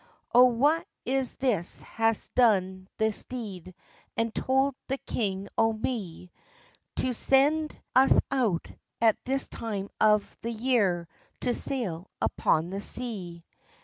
"O wha is this has done this deed, And tauld the king o me, To send us out, at this time of the year, To sail upon the sea?"